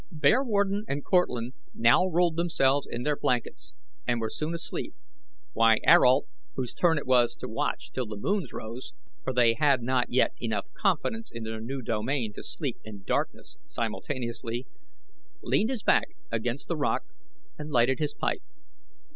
Bearwarden and Cortlandt now rolled themselves in their blankets and were soon asleep, while Ayrault, whose turn it was to watch till the moons rose for they had not yet enough confidence in their new domain to sleep in darkness simultaneously leaned his back against a rock and lighted his pipe.